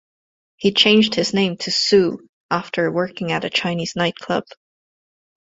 He changed his name to Soo after working at a Chinese night club.